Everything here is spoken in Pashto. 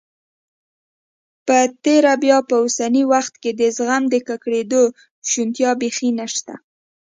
په تیره بیا په اوسني وخت کې د زخم د ککړېدو شونتیا بيخي نشته.